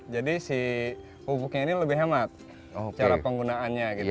jadi si pupuknya ini lebih hemat cara penggunaannya